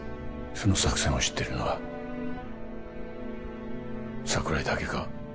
その作戦を知っているのは櫻井だけか？